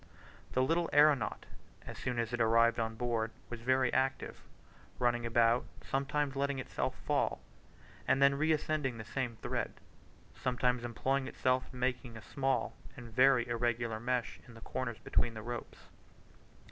The little aeronaut as soon as it arrived on board was very active, running about, sometimes letting itself fall, and then reascending the same thread; sometimes employing itself in making a small and very irregular mesh in the corners between the ropes.